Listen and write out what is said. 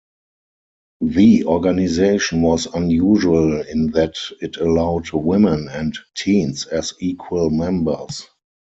The organization was unusual in that it allowed women and teens as equal members.